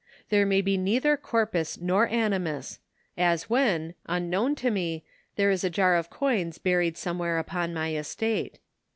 There may be neither corpus nor animus ; as when, unknown to me, there is a jar of coins buried somewhere upon my estate.